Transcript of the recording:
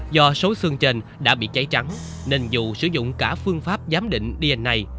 do số xương trên đã bị cháy trắng nên dù sử dụng cả phương pháp giám định dn